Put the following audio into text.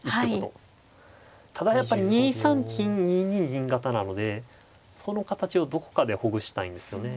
ただやっぱ２三金２二銀型なのでその形をどこかでほぐしたいんですよね。